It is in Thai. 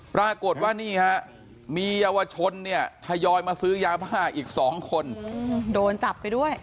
ปรากฏว่านี่ฮะมีเยาวชนเนี่ยทยอยมาซื้อยาบ้าอีก๒คนโดนจับไปด้วย